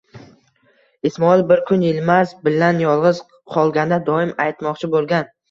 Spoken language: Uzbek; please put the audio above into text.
Ismoil bir kun Yilmaz bilan yolg'iz qolganda doim aytmoqchi bo'lgan